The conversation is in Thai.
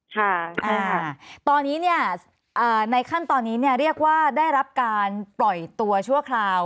ค่ะอ่าตอนนี้เนี่ยในขั้นตอนนี้เนี่ยเรียกว่าได้รับการปล่อยตัวชั่วคราว